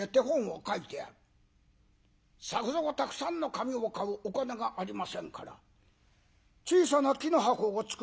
作蔵たくさんの紙を買うお金がありませんから小さな木の箱を作り